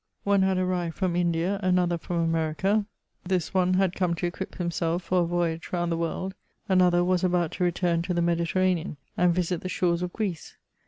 One had arrived from India, another from America ; this one had J CHATEAUBKUND. 1 1 5 come to equip himself for a voyage round die world ; another was about to return to the Mediterranean, and yisit the shores of Greece.